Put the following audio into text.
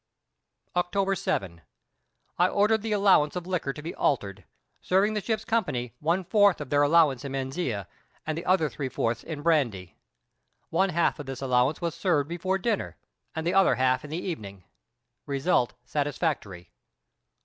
October 7. I ordered the allowance of liquor to be altered, serving the ship's company one fourth of their allowance in Manzanilla and the other three fourths in brandy. One half of this allowance was served before dinner, and the other half in the evening. Result satisfactory.